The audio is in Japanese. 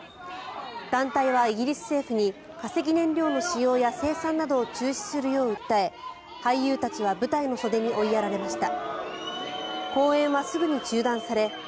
団体は、イギリス政府に化石燃料の使用や生産などを中止するよう訴え俳優たちは舞台の袖に追いやられました。